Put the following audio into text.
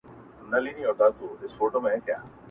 په ځنگله کي چي دي هره ورځ غړومبی سي.!